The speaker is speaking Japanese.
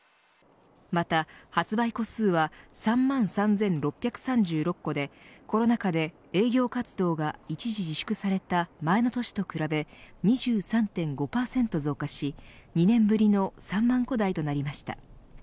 また発売戸数は３万３６３６戸でコロナ禍で営業活動が一時自粛された前の年と比べ２３．５％増加し２年ぶりの３万戸台となりました。